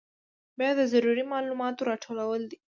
بیا د ضروري معلوماتو راټولول دي.